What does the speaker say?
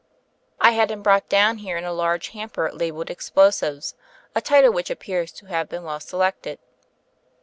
"I had him brought down here in a large hamper labelled 'Explosives/ a title which appears to have been well selected.''